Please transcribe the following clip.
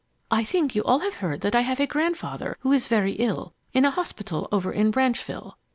I think you all have heard that I have a grandfather who is very ill, in a hospital over in Branchville.